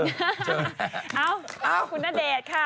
เอ้าคุณณเดชน์ค่ะ